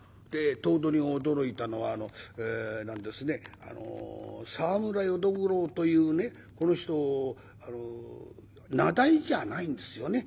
頭取が驚いたのはあの何ですね沢村淀五郎というねこの人名題じゃないんですよね。